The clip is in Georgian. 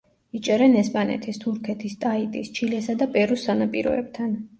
იჭერენ ესპანეთის, თურქეთის, ტაიტის, ჩილესა და პერუს სანაპიროებთან.